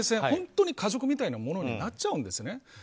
本当に家族みたいなものになっちゃうんですね。